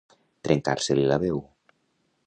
Trencar-se-li la veu.